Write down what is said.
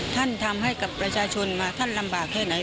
ท่านทำให้กับประชาชนมาท่านลำบากแค่ไหน